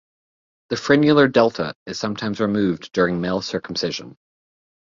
The frenular delta is sometimes removed during male circumcision.